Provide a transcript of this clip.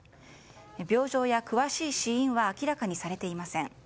病状や詳しい死因は明らかにされていません。